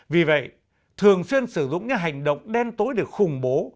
vì vậy thường xuyên sử dụng những hành động đen tối để khủng bố